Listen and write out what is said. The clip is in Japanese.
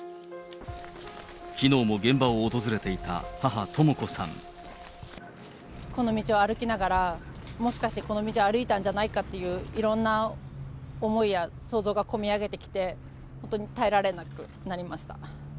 きのうも現場を訪れていた母、この道を歩きながら、もしかしてこの道を歩いたんじゃないかっていう、いろんな思いや想像がこみ上げてきて、本当に耐えられなくなりました。